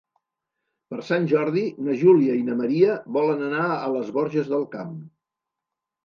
Per Sant Jordi na Júlia i na Maria volen anar a les Borges del Camp.